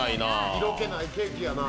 色気ないケーキやな。